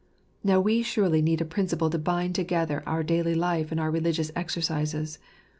Now we surely need a principle to bind together our daily life and our religious exercises.